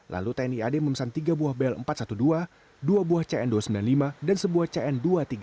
lalu tni ad memesan tiga buah bel empat ratus dua belas dua buah cn dua ratus sembilan puluh lima dan sebuah cn dua ratus tiga puluh